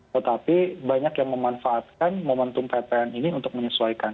tetapi banyak yang memanfaatkan momentum ppn ini untuk menyesuaikan